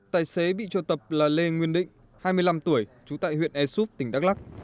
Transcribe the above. tài xế bị triệu tập là lê nguyên định hai mươi năm tuổi trú tại huyện esup tỉnh đắk lắc